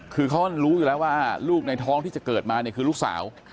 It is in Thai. คือเขารู้อยู่แล้วว่าลูกในท้องที่จะเกิดมาเนี่ยคือลูกสาว